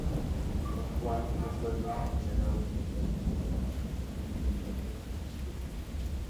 El cual, de acuerdo a los señalado por Castañeda-Vildozola "et al.